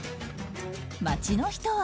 街の人は。